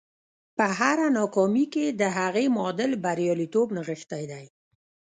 په هره ناکامي کې د هغې معادل برياليتوب نغښتی دی.